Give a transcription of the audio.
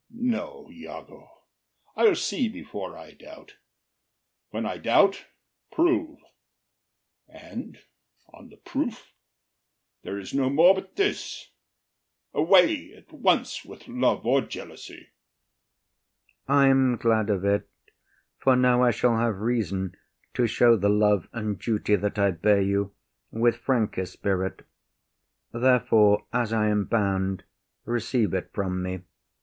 No, Iago, I’ll see before I doubt; when I doubt, prove; And on the proof, there is no more but this: Away at once with love or jealousy! IAGO. I am glad of it, for now I shall have reason To show the love and duty that I bear you With franker spirit: therefore, as I am bound, Receive it from me.